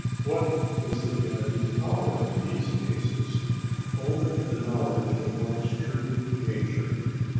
What is the driving power in these cases? Only the knowledge of one's true nature.